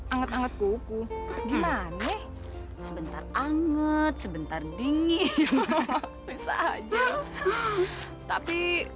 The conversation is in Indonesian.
anget anget kuku gimana sebentar anget sebentar dingin biasa aja tapi